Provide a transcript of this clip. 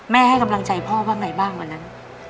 แม่ให้กำลังใจพ่อบ้างไหนบ้างอันนั้น